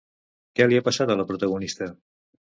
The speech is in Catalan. Què li ha passat a la protagonista?